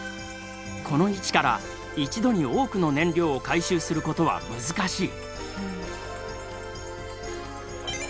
この位置から一度に多くの燃料を回収することは難しい。